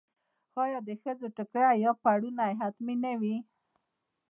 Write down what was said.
آیا د ښځو ټیکری یا پړونی حتمي نه وي؟